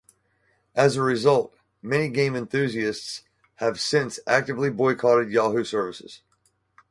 As a result, many game enthusiasts have since actively boycotted Yahoo services.